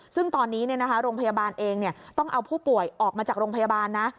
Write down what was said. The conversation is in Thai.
ซึ่งตอนนี้โรงพยาบาลเองต้องเอาผู้ป่วยออกมาจากโรงพยาบาลนะ